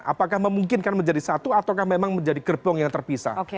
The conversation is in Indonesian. apakah memungkinkan menjadi satu ataukah memang menjadi gerbong yang terpisah